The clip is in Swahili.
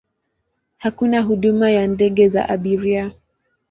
Hakuna huduma ya ndege za abiria.